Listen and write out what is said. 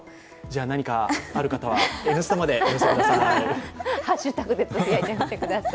何かある方は「Ｎスタ」までお寄せください。